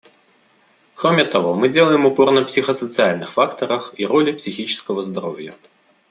Кроме того, мы делаем упор на психосоциальных факторах и роли психического здоровья.